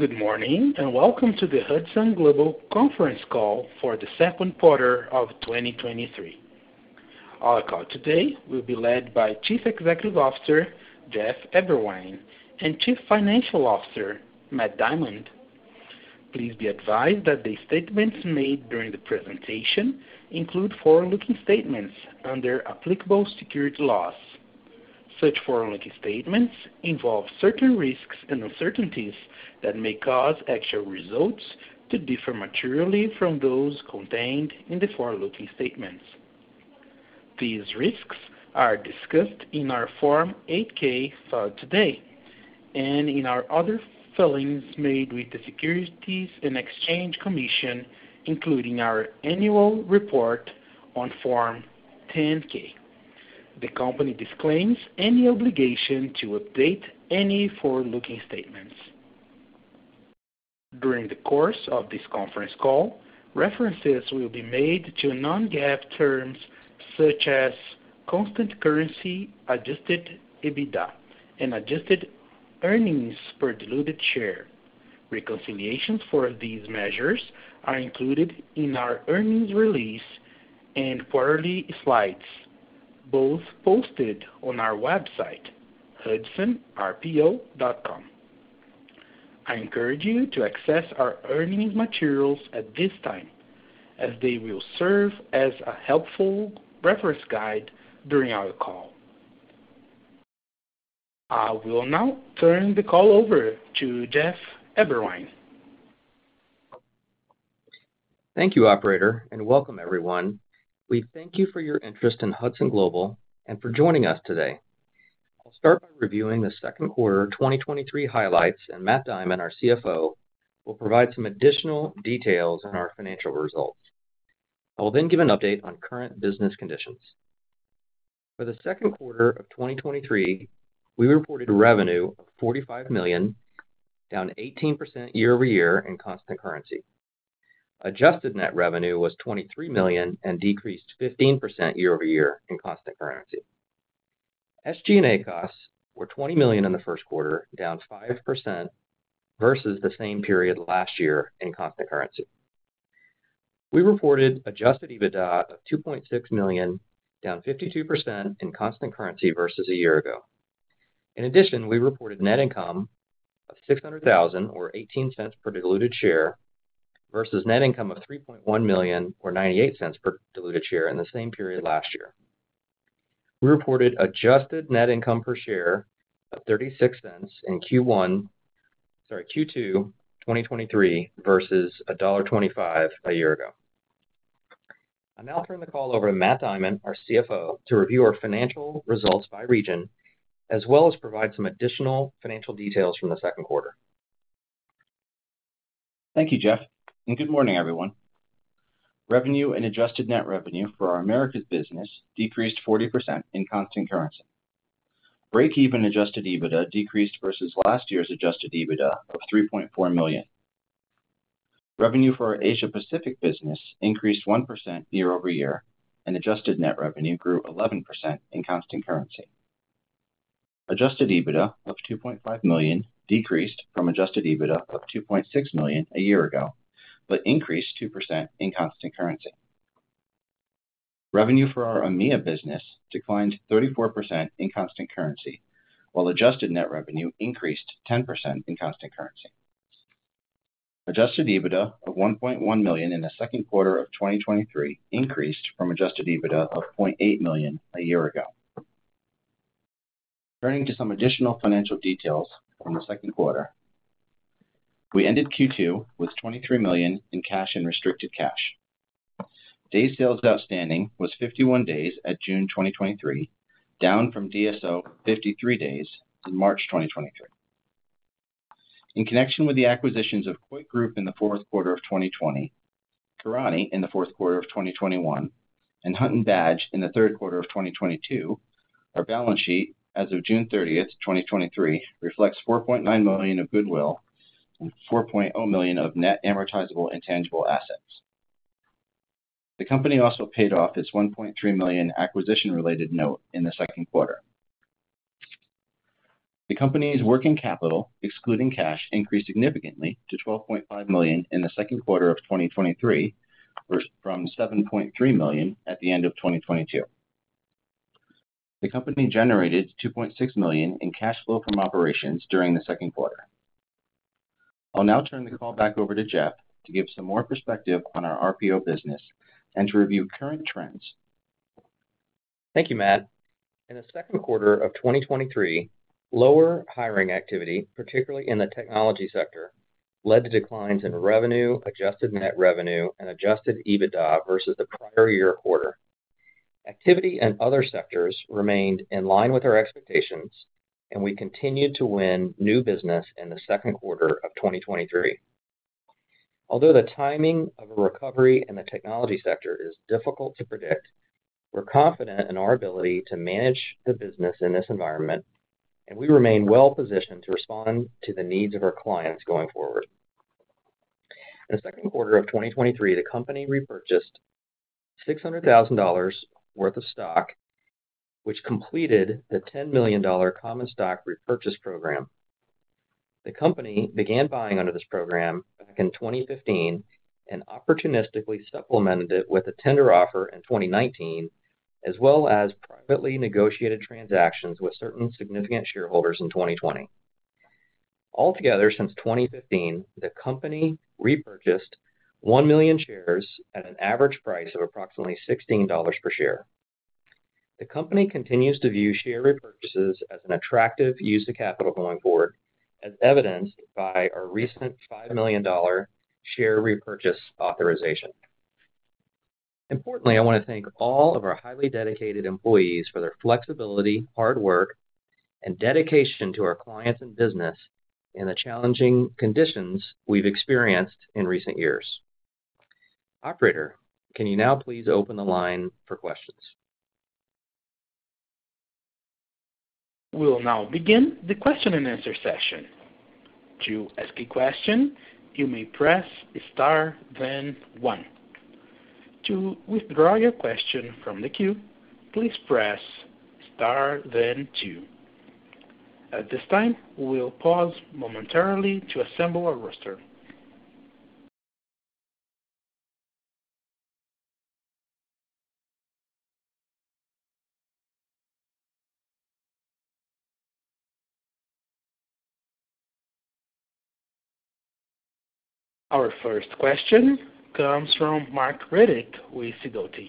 Good morning, welcome to the Hudson Global Conference Call for the second quarter of 2023. Our call today will be led by Chief Executive Officer, Jeff Eberwein, and Chief Financial Officer, Matt Diamond. Please be advised that the statements made during the presentation include forward-looking statements under applicable securities laws. Such forward-looking statements involve certain risks and uncertainties that may cause actual results to differ materially from those contained in the forward-looking statements. These risks are discussed in our Form 8 K filed today and in our other filings made with the Securities and Exchange Commission, including our annual report on Form 10-K. The company disclaims any obligation to update any forward-looking statements. During the course of this conference call, references will be made to non-GAAP terms such as constant currency, Adjusted EBITDA, and adjusted earnings per diluted share. Reconciliations for these measures are included in our earnings release and quarterly slides, both posted on our website, hudsonrpo.com. I encourage you to access our earnings materials at this time, as they will serve as a helpful reference guide during our call. I will now turn the call over to Jeff Eberwein. Thank you, operator, welcome everyone. We thank you for your interest in Hudson Global and for joining us today. I'll start by reviewing the second quarter of 2023 highlights, Matt Diamond, our CFO, will provide some additional details on our financial results. I will give an update on current business conditions. For the second quarter of 2023, we reported revenue of $45 million, down 18% year-over-year in constant currency. Adjusted net revenue was $23 million and decreased 15% year-over-year in constant currency. SG&A costs were $20 million in the first quarter, down 5% versus the same period last year in constant currency. We reported Adjusted EBITDA of $2.6 million, down 52% in constant currency versus a year ago. In addition, we reported net income of $600,000 or $0.18 per diluted share, versus net income of $3.1 million or $0.98 per diluted share in the same period last year. We reported adjusted net income per share of $0.36 in Q1. Sorry, Q2 2023, versus $1.25 a year ago. I'll now turn the call over to Matt Diamond, our CFO, to review our financial results by region, as well as provide some additional financial details from the second quarter. Thank you, Jeff, and good morning, everyone. Revenue and adjusted net revenue for our Americas business decreased 40% in constant currency. Break-even adjusted EBITDA decreased versus last year's adjusted EBITDA of $3.4 million. Revenue for our Asia Pacific business increased 1% year-over-year, and adjusted net revenue grew 11% in constant currency. Adjusted EBITDA of $2.5 million decreased from Adjusted EBITDA of $2.6 million a year ago, but increased 2% in constant currency. Revenue for our EMEA business declined 34% in constant currency, while adjusted net revenue increased 10% in constant currency. Adjusted EBITDA of $1.1 million in the second quarter of 2023 increased from Adjusted EBITDA of $0.8 million a year ago. Turning to some additional financial details from the second quarter. We ended Q2 with $23 million in cash and restricted cash. Days sales outstanding was 51 days at June 2023, down from DSO 53 days in March 2023. In connection with the acquisitions of Coit Group in the fourth quarter of 2020, Karani in the fourth quarter of 2021, and Hunt & Badge in the third quarter of 2022, our balance sheet as of June 30th, 2023, reflects $4.9 million of goodwill and $4.0 million of net amortizable intangible assets. The company also paid off its $1.3 million acquisition-related note in the second quarter. The company's working capital, excluding cash, increased significantly to $12.5 million in the second quarter of 2023, from $7.3 million at the end of 2022. The company generated $2.6 million in cash flow from operations during the second quarter. I'll now turn the call back over to Jeff to give some more perspective on our RPO business and to review current trends. Thank you, Matt. In the second quarter of 2023, lower hiring activity, particularly in the technology sector, led to declines in revenue, adjusted net revenue, and adjusted EBITDA versus the prior year quarter. Activity in other sectors remained in line with our expectations, and we continued to win new business in the second quarter of 2023. Although the timing of a recovery in the technology sector is difficult to predict, we're confident in our ability to manage the business in this environment, and we remain well-positioned to respond to the needs of our clients going forward. In the second quarter of 2023, the company repurchased $600,000 worth of stock, which completed the $10 million common stock repurchase program. The company began buying under this program back in 2015 and opportunistically supplemented it with a tender offer in 2019, as well as privately negotiated transactions with certain significant shareholders in 2020. Altogether, since 2015, the company repurchased 1 million shares at an average price of approximately $16 per share. The company continues to view share repurchases as an attractive use of capital going forward, as evidenced by our recent $5 million share repurchase authorization. Importantly, I want to thank all of our highly dedicated employees for their flexibility, hard work, and dedication to our clients and business in the challenging conditions we've experienced in recent years. Operator, can you now please open the line for questions? We'll now begin the question and answer session. To ask a question, you may press star, then one. To withdraw your question from the queue, please press star, then two. At this time, we'll pause momentarily to assemble our roster. Our first question comes from Marc Riddick with Sidoti &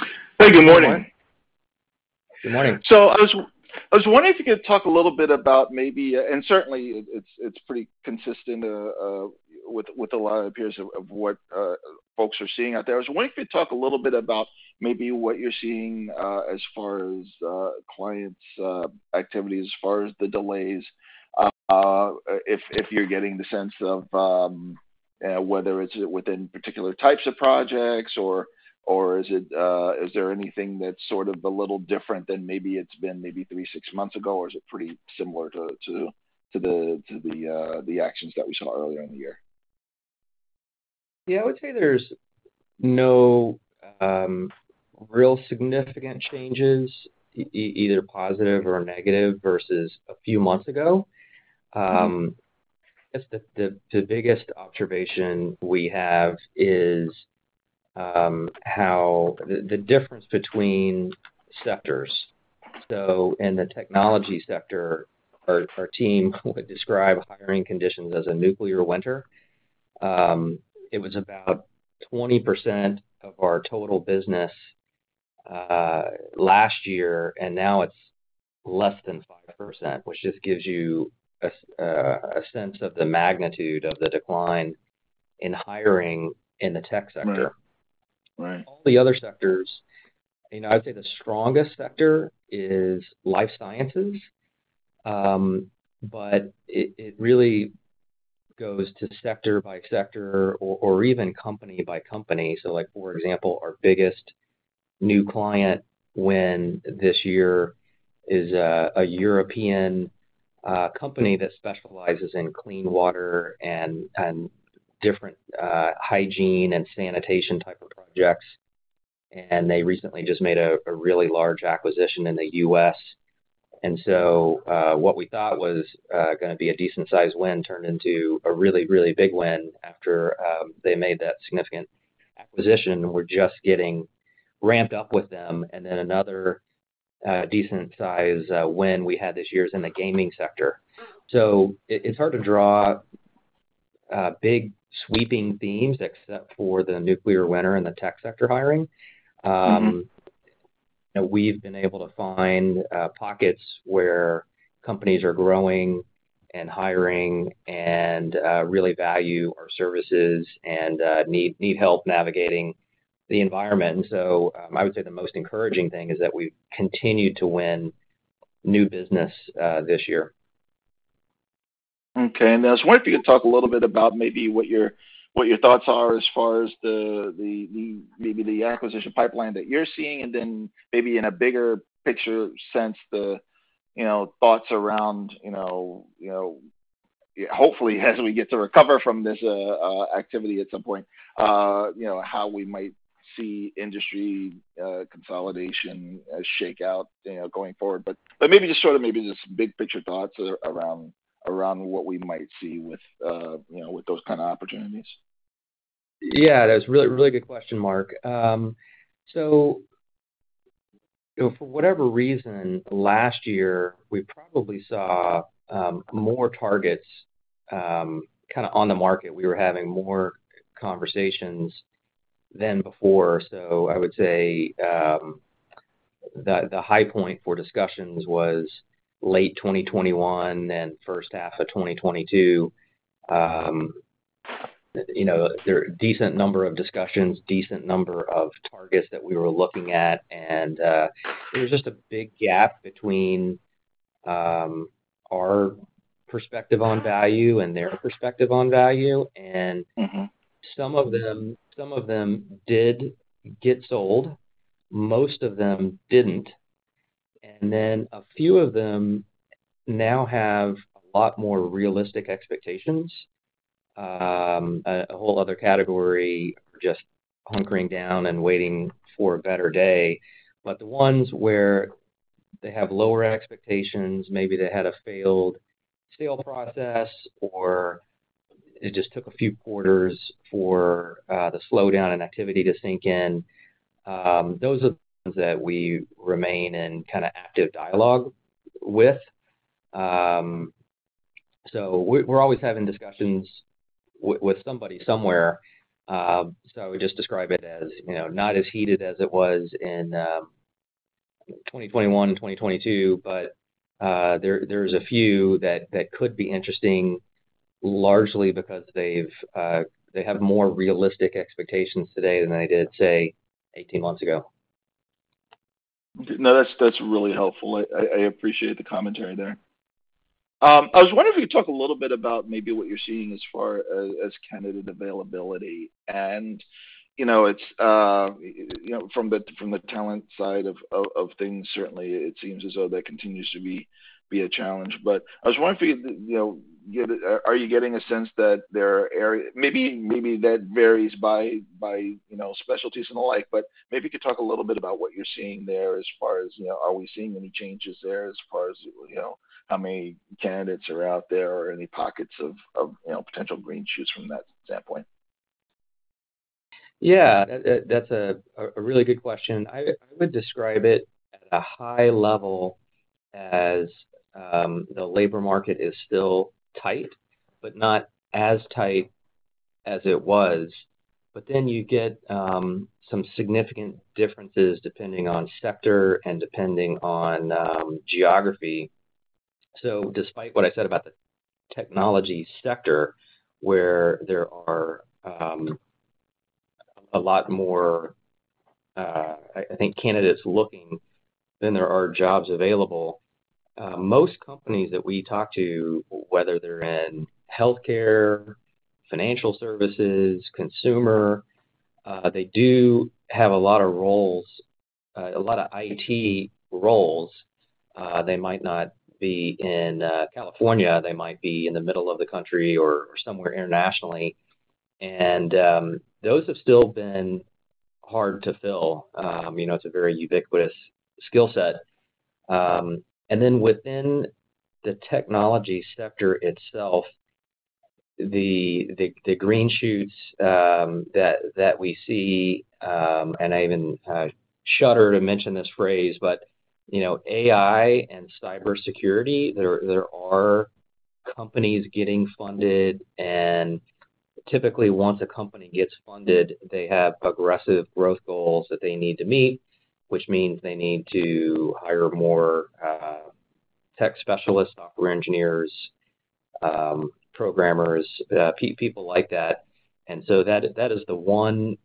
Co. Hey, good morning. Good morning. I was, I was wondering if you could talk a little bit about maybe, and certainly, it's, it's pretty consistent, with, with a lot of peers of, of what, folks are seeing out there. I was wondering if you could talk a little bit about maybe what you're seeing, as far as, clients' activity, as far as the delays, if, if you're getting the sense of, whether it's within particular types of projects or is it? Is there anything that's sort of a little different than maybe it's been maybe three, six months ago? Is it pretty similar to, to, to the, to the, the actions that we saw earlier in the year? Yeah, I would say there's no real significant changes, either positive or negative, versus a few months ago. I guess the, the, the biggest observation we have is how the, the difference between sectors. In the technology sector, our, our team would describe hiring conditions as a nuclear winter. It was about 20% of our total business last year, and now it's less than 5%, which just gives you a sense of the magnitude of the decline in hiring in the tech sector. Right. Right. All the other sectors, you know, I'd say the strongest sector is Life sciences. It, it really goes to sector by sector or, or even company by company. Like, for example, our biggest new client win this year is a European company that specializes in clean water and different hygiene and sanitation type of projects, and they recently just made a really large acquisition in the US. What we thought was going to be a decent-sized win turned into a really, really big win after they made that significant acquisition. We're just getting ramped up with them. Another decent-size win we had this year is in the gaming sector. It, it's hard to draw big, sweeping themes, except for the Nuclear winter and the tech sector hiring. We've been able to find pockets where companies are growing and hiring and really value our services and need, need help navigating the environment. I would say the most encouraging thing is that we've continued to win new business this year. Okay. I was wondering if you could talk a little bit about maybe what your, what your thoughts are as far as the, the, the, maybe the acquisition pipeline that you're seeing, and then maybe in a bigger picture sense, the, you know, thoughts around, you know, you know, hopefully as we get to recover from this activity at some point, you know, how we might see industry consolidation shake out, you know, going forward. But maybe just sort of maybe just big picture thoughts around, around what we might see with, you know, with those kind of opportunities. Yeah, that's a really, really good question, Marc. You know, for whatever reason, last year, we probably saw more targets kind of on the market. We were having more conversations than before. I would say, the, the high point for discussions was late 2021 and first half of 2022. You know, there were a decent number of discussions, decent number of targets that we were looking at, and there was just a big gap between our perspective on value and their perspective on value, and- Mm-hmm. some of them, some of them did get sold. Most of them didn't. A few of them now have a lot more realistic expectations. A whole other category are just hunkering down and waiting for a better day. The ones where they have lower expectations, maybe they had a failed sale process, or it just took a few quarters for the slowdown in activity to sink in, those are the ones that we remain in kind of active dialogue with. So we're always having discussions with, with somebody somewhere. So I would just describe it as, you know, not as heated as it was in 2021 and 2022, but there's a few that could be interesting, largely because they have more realistic expectations today than they did, say, 18 months ago. No, that's, that's really helpful. I, I appreciate the commentary there. I was wondering if you could talk a little bit about maybe what you're seeing as far as, as candidate availability. You know, it's... You know, from the, from the talent side of, of, of things, certainly it seems as though that continues to be, be a challenge. I was wondering if you, you know, are you getting a sense that there are areas... Maybe, maybe that varies by, by, you know, specialties and the like, but maybe you could talk a little bit about what you're seeing there as far as, you know, are we seeing any changes there as far as, you know, how many candidates are out there or any pockets of, of, you know, potential green shoots from that standpoint? Yeah, that, that's a, a really good question. I, I would describe it at a high level as the labor market is still tight, but not as tight as it was. You get some significant differences depending on sector and depending on geography. Despite what I said about the technology sector, where there are a lot more, I, I think, candidates looking than there are jobs available, most companies that we talk to, whether they're in healthcare, financial services, consumer, they do have a lot of roles, a lot of IT roles. They might not be in California, they might be in the middle of the country or somewhere internationally, and those have still been hard to fill. You know, it's a very ubiquitous skill set. Then within the technology sector itself, the, the, the green shoots, that, that we see, and I even shudder to mention this phrase, but, you know, AI and Cybersecurity, there, there are companies getting funded, and typically, once a company gets funded, they have aggressive growth goals that they need to meet, which means they need to hire more, tech specialists, software engineers, programmers, people like that. That, that is the one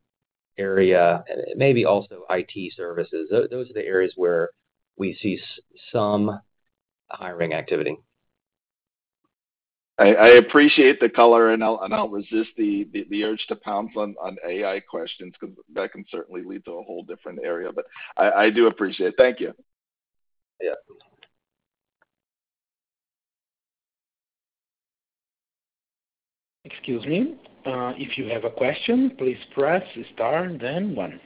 area, and maybe also IT services. Those, those are the areas where we see some hiring activity. I, I appreciate the color, and I'll, and I'll resist the, the, the urge to pounce on, on AI questions, because that can certainly lead to a whole different area, but I, I do appreciate it. Thank you. Yeah. Excuse me. If you have a question, please press star then one.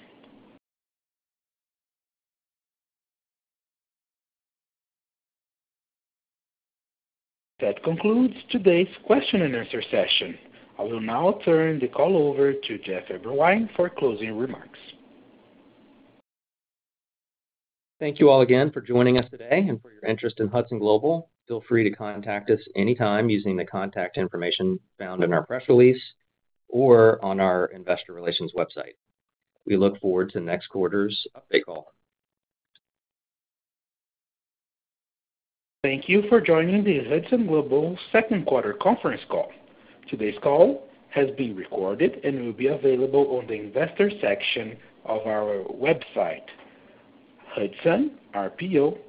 That concludes today's question and answer session. I will now turn the call over to Jeff Eberwein for closing remarks. Thank you all again for joining us today and for your interest in Hudson Global. Feel free to contact us anytime using the contact information found in our press release or on our investor relations website. We look forward to next quarter's update call. Thank you for joining the Hudson Global second quarter conference call. Today's call has been recorded and will be available on the investor section of our website, hudsonrpo.com.